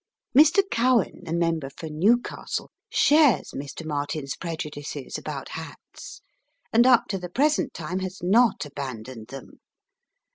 Mr. Cowen, the member for Newcastle, shares Mr Martin's prejudices about hats, and up to the present time has not abandoned them.